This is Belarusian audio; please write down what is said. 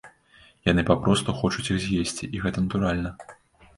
Яны папросту хочуць іх з'есці, і гэта натуральна.